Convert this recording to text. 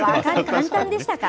簡単でしたか。